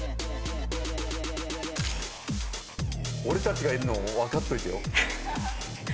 俺たちがいるのを分かっといてよ。